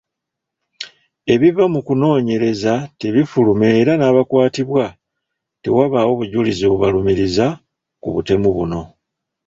Ebiva mu kunoonyereza tebifuluma era n’abakwatibwa tewabaawo bujulizi bubalumiriza ku butemu buno .